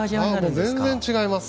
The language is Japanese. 全然違います。